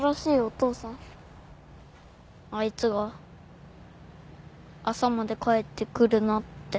あいつが朝まで帰ってくるなって。